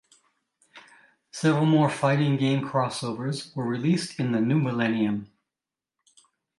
Several more fighting game crossovers were released in the new millennium.